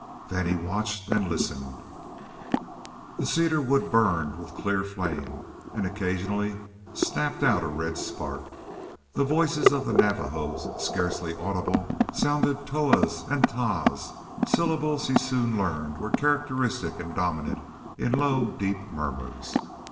Then he watched and listened. The cedar wood burned with a clear flame, and occasionally snapped out a red spark. The voices of the Navajos, scarcely audible, sounded "toa's" and "taa's" syllables he soon learned were characteristic and dominant in low, deep murmurs.